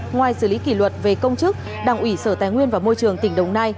ngoài xử lý kỷ luật về công chức đảng ủy sở tài nguyên và môi trường tỉnh đồng nai